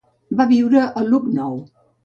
Va viure a Lucknow.